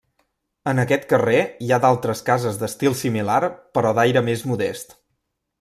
En aquest carrer hi ha d'altres cases d'estil similar però d'aire més modest.